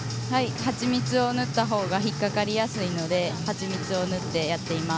蜂蜜を塗った方が引っかかりやすいので蜂蜜を塗ってやっています。